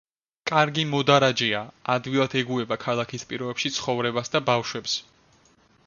კარგი მოდარაჯეა, ადვილად ეგუება ქალაქის პირობებში ცხოვრებას და ბავშვებს.